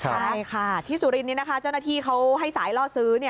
ใช่ค่ะที่สุรินนี้นะคะเจ้าหน้าที่เขาให้สายล่อซื้อ